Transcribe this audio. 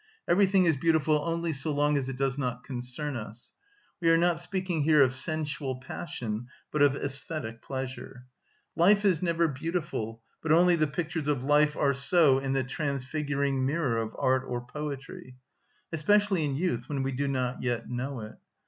Everything is beautiful only so long as it does not concern us. (We are not speaking here of sensual passion, but of æsthetic pleasure.) Life is never beautiful, but only the pictures of life are so in the transfiguring mirror of art or poetry; especially in youth, when we do not yet know it.